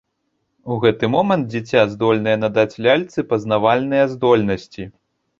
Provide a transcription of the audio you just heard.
У гэты момант дзіця здольнае надаць ляльцы пазнавальныя здольнасці.